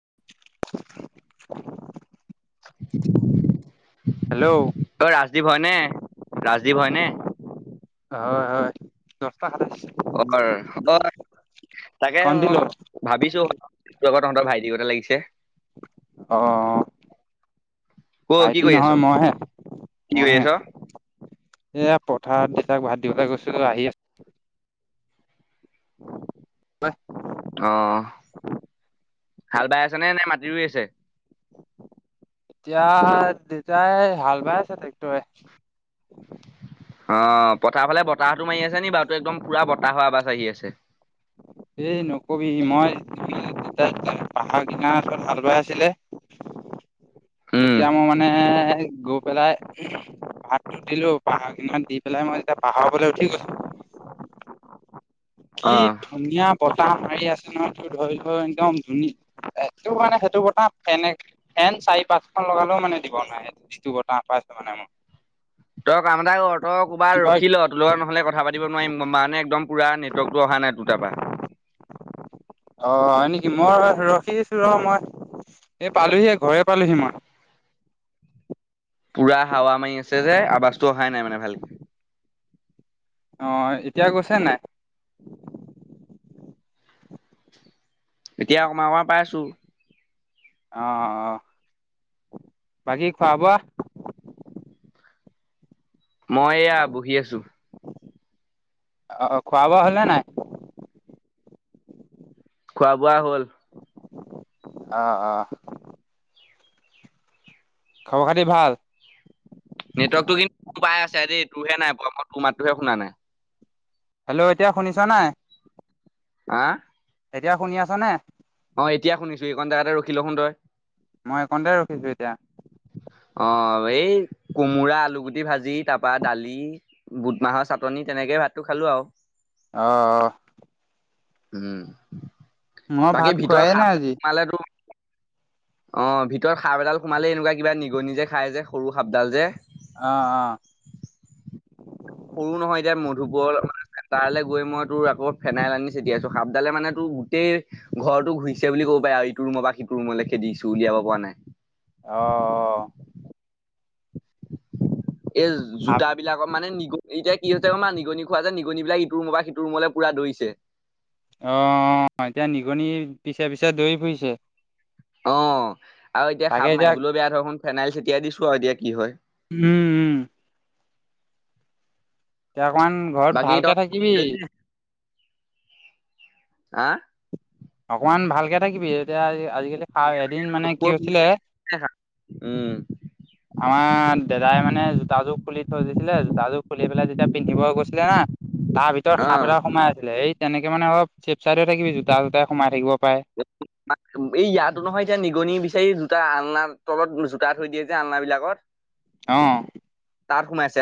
[unintelligible] Hello অ ৰাজদ্বীপ হয়। নে ৰাজদীপ হয় নে? হয় হয়। সাতাইছ অ অ তাকে মই কণদিলো ভাবিছো। টোৰ আকৌ তহঁতৰ ভাইটি কটে লাগিছে। অ ক কি ভাইটি কৰি আছ নহয় মইহে। কি কৰি মইহে আছ। এয়া পথাৰ দিচাক ভাত দিবলৈ গৈছো আহি আ। আছো অ হাল বাই আছে নে নে মাটি ৰুই আছে। এতিয়া দেউতাই হাল বাই আছে ট্ৰেক্টৰে। [unintelligible] অ পথাৰ ফালে বতাহটো মাৰি আছে নি বাৰুতো একদম পুৰা বতাহৰ আৱাজ আহি আছে। এই নকবি মই পাহাৰ কিনাৰৰত হাল বাই আছিলে। [unintelligible] উম তেতিয়া মই মানে। গৈ পেলাই প দিলো পাহাৰ কেইমান দি পেলাই মই এতিয়া পাহাৰবলৈ উঠি গৈছো। [unintelligible] অ কি ধুনীয়া বতাহ। আছে ন ধৰি একদম ধুনীয়া সটো মানে সেইটো কথা ফেনে ফেন চাই। পাত খখন লগালেও মানে দিব নাই যিটো বাই আছে মানে মোৰ। তই কাম এটা কৰ তই ক'ৰবাত ৰখি ল ত লগত নহলে কথা পাতিব নোৱাৰিম মানে একদম। পুৰা নেটৱৰ্কটো অহা নাই টোৰ পা। অ হয় নেকি মই ৰখি আছো ৰ মই। এ পালোহি ঘৰে পালোহি মই [unintelligible] পুৰা হাৱা মাৰি আছে যে আৱাজটো অহাই নাই মানে ভালকে আহ এতিয়া গৈছে নাই এতিয়া অকণমান-অকণমান পাইছোঁ [unintelligible] অ-অ বাকী খোৱা-বোৱা মই এয়া বহি আছোঁ অ খোৱা-বোৱা হ'ল নে নাই? খোৱা-বোৱা হ'ল আহ-আহ খবৰ খাতি ভাল? নেটৱৰ্কটো কিন্তু মোৰ পাই আছে দেই তোৰহে নাই পোৱা ম‌ই তোৰ মাতটো হে শুনা নাই হেল্ল' এতিয়া শুনিছা নাই? হা এতিয়া শুনি আছ নে? অ এতিয়া শুনিছো এইখন জেগাতে ৰখিল চোন ত‌ই মই এইকণতে ৰখিছো এতিয়া অ এই কোমোৰা, আলু গুটি ভাজি তাৰ পৰা দালি বুটমাহৰ চাটনি তেনেকে ভাতটো খালো [unintelligible] আহ-আহ উম মই বাকী ভাত খোৱাই ভিতৰত নাই সাপ আজি সোমালেতো অ ভিতৰত সাপ এডাল সোমালে এনেকুৱা কিবা নিগনি যে খাই যে সৰু সাপডাল যে আহ-আহ সৰু নহয় এতিয়া মধুবৰ তালৈ গৈ মই তোৰ আকৌ ফেনাইল আনি চিটিয়াইছো সাপডালে মানে তোৰ গোটেই ঘৰটো ঘুৰিছে বুলি ক ইটো ৰুমৰ বা সিটো ৰুমলৈ খেদি দিছো উলিয়াব পৰা নাই আহ-আহ এই অ জোতাবিলাকৰ মানে নি এতিয়া কি হৈছে মা নিগনি খোৱা যে নিগনিবিলাক ইটো ৰুমৰ পৰা সিটো ৰুমলৈ পুৰা দৌৰিছে আহ এতিয়া নিগনি পিছে-পিছে দৈৰি ফুৰিছে অ আৰু এতিয়া সাপ মাৰিবলৈও বেয়া ধৰ চোন ফেনাইল চটিয়াই দিছো আৰু এতিয়া কি হয়। উম-উম এতিয়া অকনমান ঘৰত বাকী ভালকে থাকিবি। তই হা অকনমান ভালকে থাকিবি এতিয়া আজিকালি খা এদিন মানে কি ক'ত হৈছিলে উম আমাৰ দাদাই মানে জোতাযোৰ খুলি থৈ দিছিলে জোতাযোৰ খুলি পেলাই তেতিয়া পিন্ধিব গৈছিলে হা তাৰ ভিতৰত অ সাপ এটা সোমাই আছিলে এই তেনেকে মানে অলপ চেপ চাইড থাকিবি জোতা চোতাই সোমাই থাকিব পাৰে। এই ইয়াতো নহয় এতিয়া নিগনি বিচাৰি দুটা আন তলত জোতা থৈ দিয়ে যে আলনাবিলাকত অঁ তাত সোমাইছে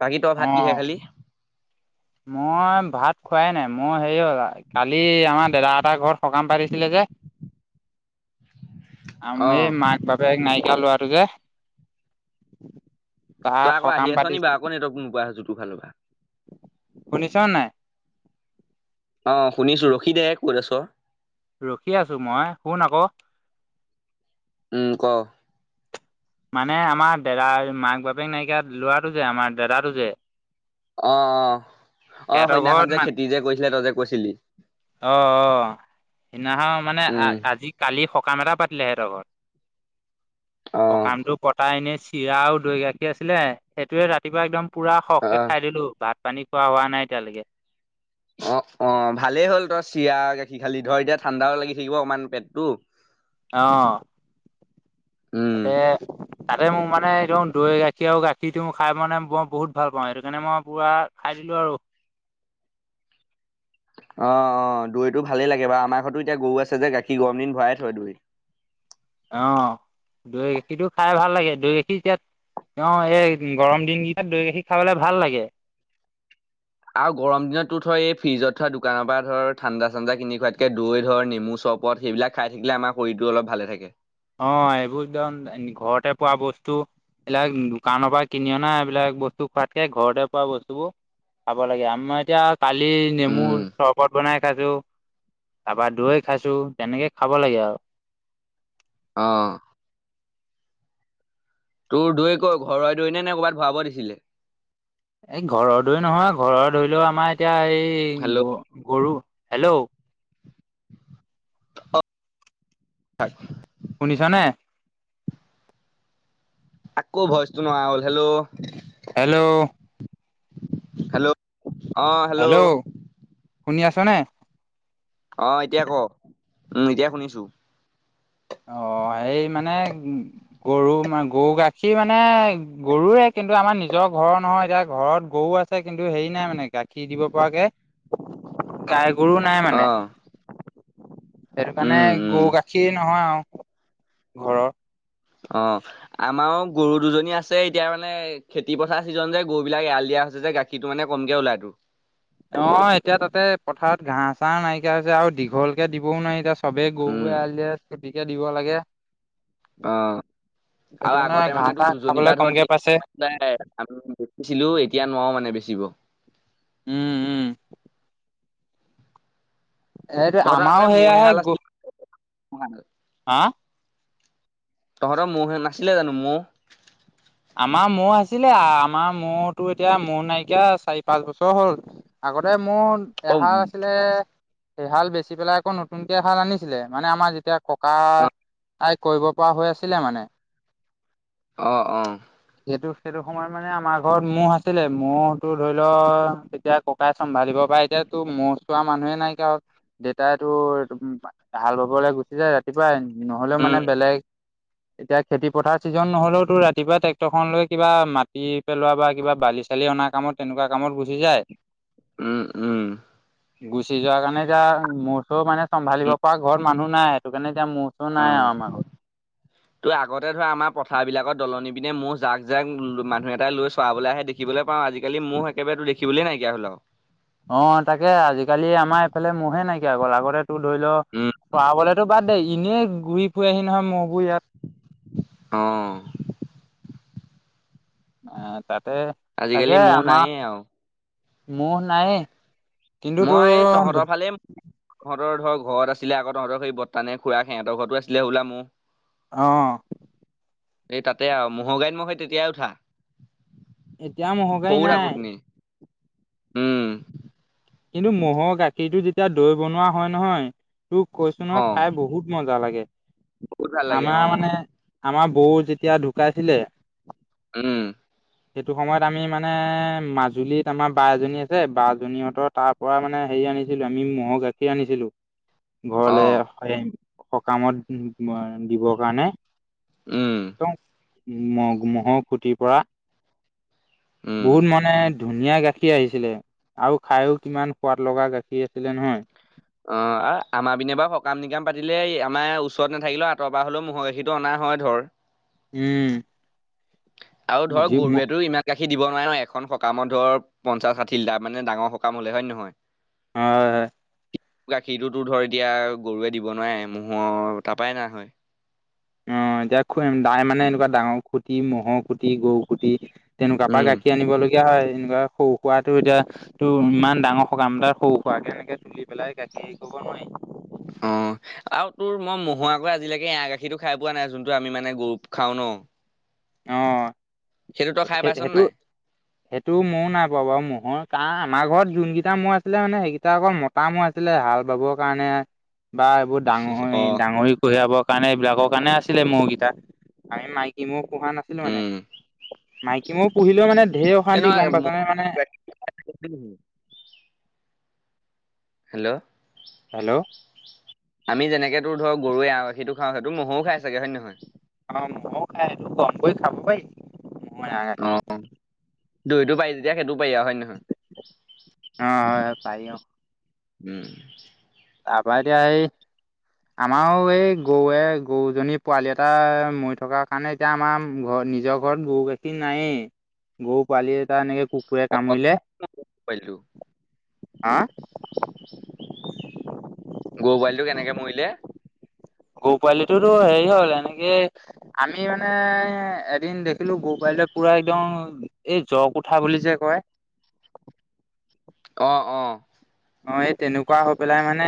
বাকী তই ভাত কিহে অ', খালি? মই ভাত খোৱাই নাই মোৰ হেৰি হ'ল কালি আমাৰ দাদা এটাৰ ঘৰত সকাম পাতিছিলে যে ব [inaudible] আমি অ এই মাক-বাপেক নাইকিয়া ল'ৰাটো যে তাৰ তই আকৌ আহি সকাম আছ নি পাতিছে বাৰু আকৌ নেটৱৰ্ক নোপোৱা হৈছো তোৰ ফালৰ পৰা শুনিছ নাই? অ শুনিছো ৰখিদে ক'ত আছ। ৰখি আছো মই শুন আকৌ উম ক মানে আমাৰ দাদাৰ মাক বাপেক নাইকিয়া লৰাটো যে আমাৰ দাদাটো যে অ অ অ সিহঁতৰ সইন্যখন ঘৰত যে মান খেতি যে কৈছিলে তই যে কৈছিল অ অ সেইদিনাখন মানে উম আজি কালি সকাম এটা পাতি হেটৰ ঘৰত অ সকামটো পতাই এনে চিৰা আৰু দৈ গাখীৰ আছিলে সেইটোৱে ৰাতিপুৱা একদম পুৰা অ সখকে খাই দিলো ভাত পানী খোৱা হোৱা নাই। নাই এতিয়ালৈকে। অ অ ভালেই হ'ল তই চিৰা গাখীৰ খালি ধ এতিয়া ঠাণ্ডাও লাগি থাকিব অকমান পেটটো আহ উম এ তাতে মোৰ মানে একদম দৈ গাখীৰ আৰু গাখীৰটো খাই মানে মই বহুত ভাল পাওঁ সেইটো কাৰণে মই পুৰা খাই দিলো আৰু [unintelligible] অ অ দৈটো ভালেই লাগে বাৰু আমাৰ ঘৰতো এতিয়া গৰু আছে যে গাখীৰ গৰম দিন ভৰাই থৈ দিওঁ আৰু। [unintelligible] অ দৈ গাখীৰটো খাই ভাল লাগে দৈ গাখীৰ এতিয়াত অ এই গৰম দিন কেইটাত দৈ গাখীৰ খাবলৈ ভাল লাগে। [unintelligible] আৰু গৰম দিনতো ধ এই ফ্ৰিজত থোৱা দোকানৰ পৰা ধৰ ঠাণ্ডা চান্ডা কিনি খোৱাতকে দৈ ধৰ নেমু চ চৰপত সেইবিলাক খাই থাকিলে আমাৰ শৰীৰটো অলপ ভালে থাকে। অ এইবোৰ একদম ঘৰতে পোৱা বস্তু। এইবিলাক দোকানৰ পৰা কিনি অনা এইবিলাক বস্তু খোৱাতকে ঘৰতে পোৱা বস্তুবোৰ খাব লাগে মই এতিয়া কালি নেমু উম চৰবত বনাই খাইছো তাৰপা দৈ খাইছো তেনেকে খাব লাগে আৰু আহ তোৰ দৈ কৰ ঘৰৰ দৈ নে নে ক'ৰবাত ভৰাব দিছিলে। এই ঘৰৰ দৈ নহয় ঘৰৰ ধৰি লও আমাৰ এতিয়া এই এই হেল্ল' গ গৰু হেল্ল' হয় শুনিছ নে আকৌ ভইচটো নহাই হ'ল হেল্ল' হেল্ল' হেল্ল' আহ হেল্ল' শুনি আছনে? অ এতিয়া ক উম এতিয়া শুনিছো অ সেই মানে গৰু ম গৰু গাখীৰ মানে গৰুৱে কিন্তু আমাৰ নিজৰ ঘৰৰ নহয় এতিয়া ঘৰত গৰু আছে কিন্তু হেৰি নাই মানে গাখীৰ দিব পৰাকে। গাই গৰু নাই মানে। অ সেইটো কাৰণে উম উম গৰু গাখীৰ নহয় আৰু ঘৰৰ। অ আমাৰ গৰু দুজনী আছে এতিয়া মানে খেতি পথাৰ চিজন যে গৰু বিলাক এৰাল দিয়া ছে যে গাখীৰটো মানে কমকে ওলাই তটো অ এতিয়া তাতে পথাৰত ঘাঁ চাহ নাইকিয়া হৈছে আৰু দীঘলকে দিবও নোৱাৰি এতিয়া সবেই উম গৰুবোৰে এৰাল দিয়ে চুটিকে দিব লাগে। আহ সেইটো আৰু কাৰণে আগতে ঘাঁহ মানে চাহ তোৰ দুজনীৰ খাবলৈ পৰা ধৰ কমকে পাইছে তিনিটাই দেখিছিলো। এতিয়া নোৱাৰো মানে বেচিব। উম উম এইটো তহঁতৰ আমাৰো আগতে মহ সেয়াহে এহাল আছিলে। হা তহঁৰ মহে নাছিলে জানো মহ আমাৰ মৌ আছিলে আমাৰ মৌতো এতিয়া মৌ নাইকিয়া চাৰি পাঁচ বছৰ হ'ল আগতে অ মূঠ‌এহাল আছিলে সেইহাল বেচি পেলাই আকৌ নতুনকে এহাল আনিছিলে মানে আমাৰ যেতিয়া ককা তাই কৰিব পৰা হৈ আছিলে মানে অ অ এইটো সেইটো সময়ত মানে আমাৰ ঘৰত মহ ' আছিলে মহতো ধৰি লও তেতিয়া ককাই চম্ভালিব পাৰ এতিয়াতো মহ চোৱা মানুহে নাই কাৰো দেউতাইটো হাল বাবলৈ গুচি যায় ৰাতিপুৱাই নহ'লেও উম মানে বেলেগ এতিয়া খেতি পথাৰ ছিজন নহ'লেওতো ৰাতিপুৱা টেক্টৰ খন লৈ কিবা মাটি পেলোৱা বা কিবা বালি চালি অনা কামত তেনেকুৱা কামত গুচি যায় উম উম গুচি যোৱা কাৰণে যে মহ চও মানে চম্ভালিব উম পৰা ঘৰত মানুহ নাই সেইটো কাৰণে এতিয়া মোৰ চোৰ অ নাই আৰু আমাৰ ঘৰত। তই আগতে ধৰা আমাৰ পথাৰ বিলাকৰ দলনি পিনে মোৰ জাক জাক মানুহ এটাই লৈ চোৱাবলৈ আহে দেখিবলৈ পাওঁ আজিকালি মোৰ একেবাৰে দেখিবলৈ নাইকিয়া হ'ল আও অ তাকে আজিকালি আমাৰ এইফালে মহে নাইকিয়া হৈ গল আগতে টো ধৰি লও উম চৰাবলেতো বাদ দেই এনেই ঘূৰি ফুৰি আহি নহয় মইবোৰ ইয়াত অহ আহ তাতে তাকে আজিকালি মোৰ আমাৰ নাইয়ে আৰু, মহ নায়ে মই তহঁতৰ ফালে তহঁতৰ ধৰক ঘৰত আছিলে আকৌ তহতৰ সেই বৰ্তানে খুৱা সিহঁতৰ ঘৰতো আছিলে হোলা মোৰ অহ এই তাতে আৰু মৰ গাড়ীত মই সেই তেতিয়াই উঠা এতিয়া মহগাড়ী সৰু নাই থাকোতেনি, উম কিন্তু মহ'ৰ গাখীৰটো যেতিয়া দৈ বনোৱা হয় নহয় তোক কৈছো নহয় অ', খাই বহুত মজা লাগে বহুত ভাল লাগে আমাৰ অ', মানে আমাৰ বৌ যেতিয়া ঢুকাইছিলে উম সেইটো সময়ত আমি মানে মাজুলীত আমাৰ বা এজনী আছে বাজনীহঁতৰ তাৰ পৰা মানে হেৰি আনিছিলো আমি মহৰ গাখীৰ আনিছিলো ঘৰলে অ', সকামত দিবৰ কাৰণে। উম। ম মহ'ৰ খুটিৰ পৰা উম। বহুত মানে ধুনীয়া গাখীৰ আহিছিলে আৰু খায়ো কিমান সোৱাদ লগা গাখীৰ আছিলে নহয়। অ আমাৰ পিনে বাৰু সকাম নিকাম পাতিলে আমাৰ ওচৰত নাথাকিলেও আঁতৰ পৰা হলেও ম মহৰ গাখীৰতটো অনা হয় ধৰ। উম। আৰু ধৰক যি হয় গৰুৱেটো ইমান গাখী গাখীৰ দিব নোৱাৰে ন। এখন সকামত ধৰ পঞ্চাছ, ষাঠি লিটাৰ মানে ডাঙৰ সকাম হ'লে, হয় নে নহয়? হয়, হয়। গাখীৰটোতো ধৰ এতিয়া গৰুৱে দিব নোৱাৰে। ম'হৰ তাৰপাই আনা হয়। অ, এতিয়া খু তাই মানে এনেকুৱা ডাঙৰ খুঁটি, মহৰ খুঁটি, গৰু খুটি তেনেকুৱা পা উম গাখীৰ আনিব লাগি য়া‌ হয়, এনেকুৱা সৰু সুৰা টো এতিয়া টো ইমান ডাঙৰ সকাম এতাৰ সৰু খুৱা কে এনেকে তুলি পেলাই গা কি ক'ব নোৱাৰি। অ। আৰু তোৰ মই ম'হৰ আকৌ আজিলৈকে এৰা গাখীৰো খাই পোৱা নাই, যোনটো আমি মানে গৰুৰ খাওঁ ন। অ, সেইটো তই খাই সেই পাইছ নে সেইটো, নাই? সেইটো ময়ো নাই পোৱা বাৰু মহৰ। কাৰ আমাৰ ঘৰত যোনকেইটা ম'হ আছিলে মানে সেইকেইটা অকল মতা মহ আছিলে, হাল বাবৰ কাৰণে। বা এইবোৰ ডাঙৰি, অ' ডাঙৰি কঢ়িয়াব। কাৰণে এইবিলাকৰ কাৰণে আছিলে মহকেইটা। আমি মাইকী ম'হ পোহা নাছিলো মানে। উম মাইকী ম'হ পুহিলেও মানে ঢেৰ এ অশান্তি নহয় গম ম- পাইছনে মানে। হেল্ল' হেল্ল' আমি যেনেকে তোৰ ধৰ গৰুৰ এৰা গাখীৰটো খাওঁ সেইটো মহ'ৰো খাই ছাগে, হয় নে নহয়? অ ম'হৰো খায় হেইটো। গম কৰি খাব পাৰি ম'হৰ এৰা গাখীৰটো। দইতটো পাই যেতিয়া সেইটো পাৰি আৰু হয় নে নহয়? অ, পাই অ। উম। তাৰপা এতিয়া এই আমাৰো এই গৰুৱে গৰুজনী পোৱালি এটা মৰি থকাৰ কাৰণে এতিয়া আমাৰ ঘ নিজৰ ঘৰত গৰু গাখীৰ নায়েই। গৰু পোৱালি এটা এনেকে কুকুৰে অ' কামুৰিলে। পোৱালিটো হা? গৰু পোৱালিটো কেনেকে মৰিলে? গৰু পোৱালিটোতো হেৰি হ'ল এনেকে আমি মানে এদিন দেখিলো গৰু পোৱালি পুৰা একদম এই জক উঠা বুলি যে কয়। অ, অ। অ, এই তেনেকুৱা হৈ পেলাই মানে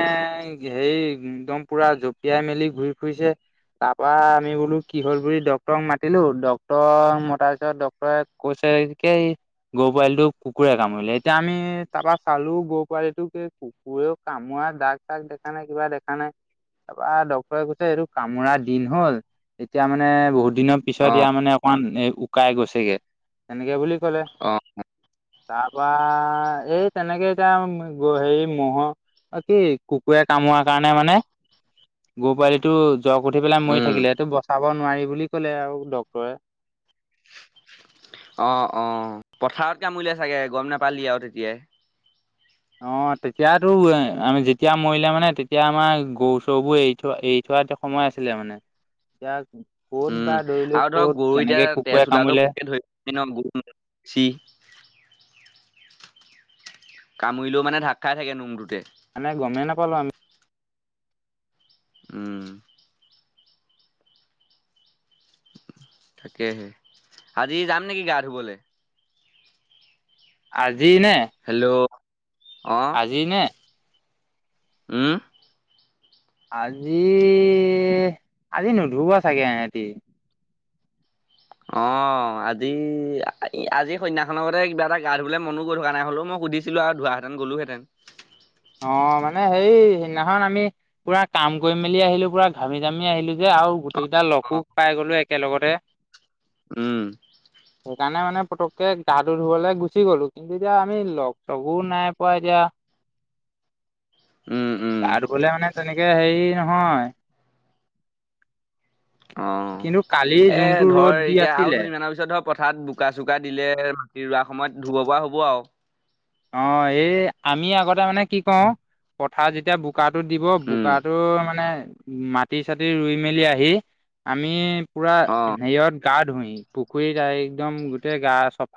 হেৰি একদম পুৰা জপিয়াই মেলি ঘূৰি ফুৰিছে। তাৰ পৰা আমি বোলো কি হ'ল বুলি ডক্টৰক মাতিলো। ডক্টৰক মতাৰ পিছত ডক্টৰে কৈ কেই গৰু পোৱালিটো কুকুৰে কামুৰিলে। এতিয়া আমি তাৰপা চালো গ পোৱালিটোক এই কুকুৰেও কামোৱা দাগ চাগ দেখা নাই কিবা দেখা নাই। তাৰৰা ডক্টৰে কৈছে এইটো কামোৰা দিন হল। এতিয়া মানে বহুত দিনৰ পিছত অ' ইয়াৰ মানে অকমান এ উকাই গৈছেগে, তেনেকে বুলি কলে। অ' তাৰপা এই তেনেকে এতিয়া হেৰি ম'হৰ কি কুকুৰে কামোৱাৰ কাৰণে মানে গৰু পোৱালিটো জক উঠি পেলাই মৰি উম থাকিলে। সেইটো বচা বচাব নোৱাৰি বুলি কলে আৰু ডক্তৰে। অ, অ। পথাৰত কামুৰিলে ছাগে। গম নেপালি আৰু তেতিয়াই। অ, তেতিয়াতো আমি যেতিয়া মৰিলে মানে তেতিয়া আমাৰ গৰু চৰুবোৰ এৰি থই, এৰি থ পোৱা এতিয়া সময় আছিলে মানে। এতিয়া ক'ত বা উম ধৰিলো আৰু ধৰ ক'ত গৰু কেনেকে এতিয়া কুকুৰে তেজ কামুৰিলে উলোৱাটোক ধৰি ন গৰু চি কামুৰিলেও মানে ঢাক খাই থাকে নোমটোতে। মানে গমেই নাপালো আমি। উম তাকেহে আজি যাম নেকি গা ধুবলে। আজি নে হেল্ল' অ আজি নে উম! আজি আজি নুধুব চাগে সহতি। অ আজি আজি সনহসখননৰগতে কিবা এটা গা ধুবে মনো গৈ থকা নাই হলো মই সুধিছিলো আৰু ধঁৱাহেঁতেন গলোহেঁতেন। অ মানে হেই সিদিনাখন আমি পুৰা কাম কৰি মেলি আহিলো পুৰা ঘামি তামি আহিলো যে আৰু গকেইটা অ লকো পাই গলো একেলগতে উম সেইকাৰণে মানে পটককে গা ধু ধুবলৈ গুচি গলো কিন্তু এতিয়া আমি লগ চবু নাই পোৱা এতিয়া। উম উম গা ধ গলে মানে তেনেকে হেৰি নহয়। অ কিন্তু কালি এ যোনটো ৰ'দ ধৰ দি এতিয়া আৰু আছিলে দুদিনমানৰ পিছত ধৰ পথাৰত বোকা চোকা দিলে মাটি ৰোৱা সময়ত ধুব পৰা হ'ব আৰু। অ এই আমি আগতে মানে কি কওঁ পথাৰ যেতিয়া বু বোকাটো দিব উম বোকাটো মানে মাটি চাটি ৰুই মেলি আহি আমি পুৰা অ হেৰিয়ত গা ধুই পুখুৰীত একদম গোটেই গা চ